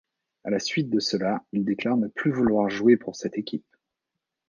À la suite de cela, il déclare ne plus vouloir jouer pour cette équipe.